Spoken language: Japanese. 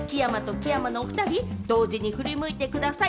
木山と木山のお２人、同時に振り向いてください。